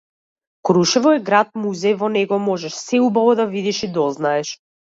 Крушево е град музеј во него можеш се убаво да видиш и дознаеш.